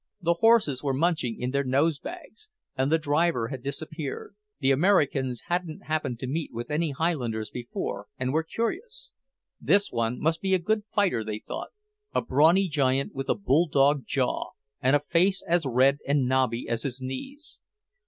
The horses were munching in their nose bags, and the driver had disappeared. The Americans hadn't happened to meet with any Highlanders before, and were curious. This one must be a good fighter, they thought; a brawny giant with a bulldog jaw, and a face as red and knobby as his knees.